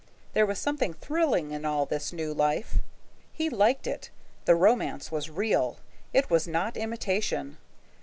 There was something thrilling in all this new life. He liked it. The romance was real; it was not an imitation.